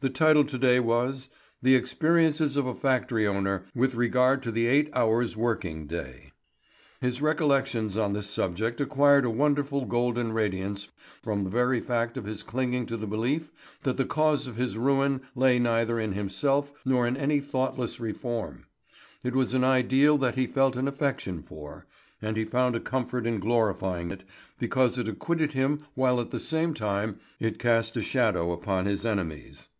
The title to day was "The Experiences of a Factory Owner with Regard to the Eight hours' Working Day." His recollections on this subject acquired a wonderful golden radiance from the very fact of his clinging to the belief that the cause of his ruin lay neither in himself nor in any thoughtless reform. It was an ideal that he felt an affection for, and he found a comfort in glorifying it, because it acquitted him while at the same time it cast a shadow upon his enemies.